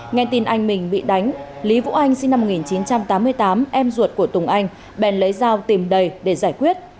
nghe tin anh mình bị đánh lý vũ anh sinh năm một nghìn chín trăm tám mươi tám em ruột của tùng anh bèn lấy dao tìm đầy để giải quyết